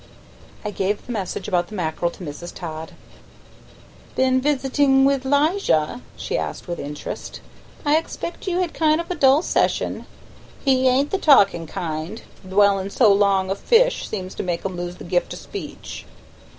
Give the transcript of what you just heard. I gave the message about the mackerel to Mrs. Todd. "Been visitin' with 'Lijah?" she asked with interest. "I expect you had kind of a dull session; he ain't the talkin' kind; dwellin' so much long o' fish seems to make 'em lose the gift o' speech."